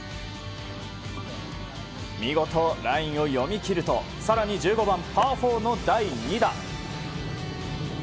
見事ラインを読み切ると更に１５番、パー４の第２打。